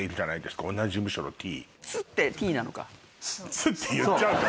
「つ」って言っちゃうの？